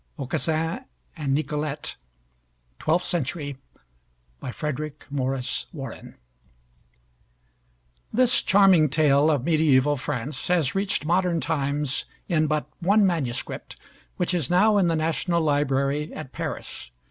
AUCASSIN AND NICOLLETE (Twelfth Century) BY FREDERICK MORRIS WARREN This charming tale of medieval France has reached modern times in but one manuscript, which is now in the National Library at Paris.